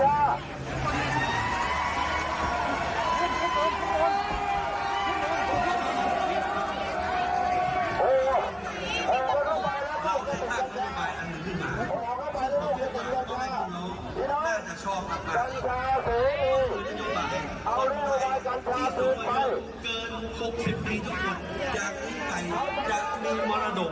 เอาเรื่องอะไรจันทราศุลยนต์ไปนั้นที่ตัวน้องเกิน๖๐ปีทุกคน